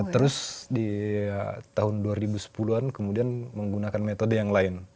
terus di tahun dua ribu sepuluh an kemudian menggunakan metode yang lain